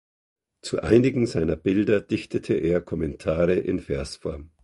Zu einigen seiner Bilder dichtete er Kommentare in Versform.